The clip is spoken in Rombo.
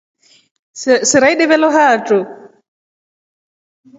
Sera ideve lo hatro.